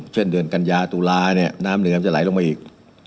เช่นเดือนกัญญาตุลาเนี่ยน้ำเหนือมันจะไหลลงมาอีก